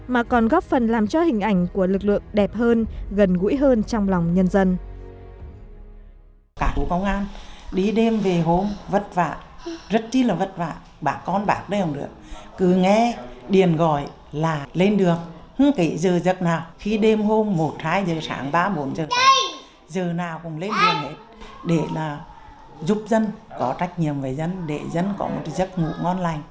mà còn góp phần làm cho hình ảnh của lực lượng đẹp hơn gần gũi hơn trong lòng nhân dân